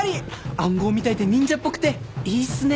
暗号みたいで忍者っぽくていいっすね。